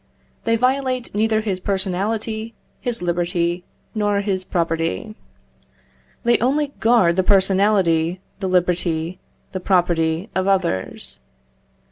They violate neither his personality, his liberty, nor his property. They only guard the personality, the liberty, the property of others.